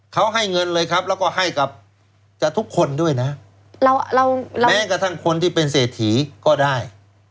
เขาให้เงินเลยครับแล้วก็ให้กับจะทุกคนด้วยนะเราแม้กระทั่งคนที่เป็นเศรษฐีก็ได้